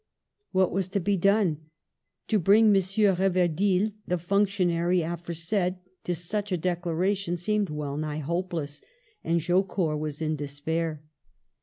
What was to be done ? To bring M. Reverdil, the functionary aforesaid, to such a declaration seemed well nigh hopeltss, and Jaucourt was in despair.